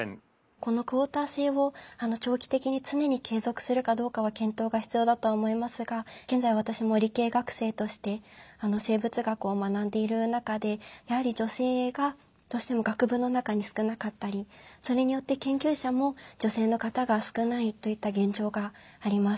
このクオータ制を長期的に常に継続するかどうかは検討が必要だとは思いますが現在私も理系学生として生物学を学んでいる中でやはり女性がどうしても学部の中に少なかったりそれによって研究者も女性の方が少ないといった現状があります。